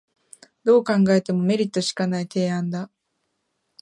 どう考えてもメリットしかない提案だ